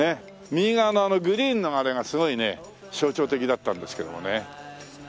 右側のあのグリーンのあれがすごい象徴的だったんですけどもね。